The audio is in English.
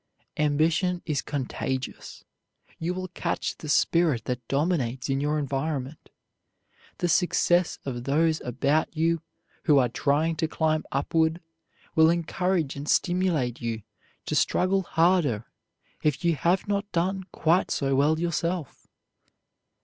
Ambition is contagious. You will catch the spirit that dominates in your environment. The success of those about you who are trying to climb upward will encourage and stimulate you to struggle harder if you have not done quite so well yourself.